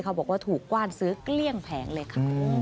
บอกว่าถูกกว้านซื้อเกลี้ยงแผงเลยค่ะ